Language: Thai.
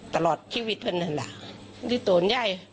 ตลอดชีวิตพันธุ์นั้นล่ะริตรวนย่าย